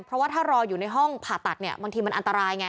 เพราะว่าถ้ารออยู่ในห้องผ่าตัดเนี่ยบางทีมันอันตรายไง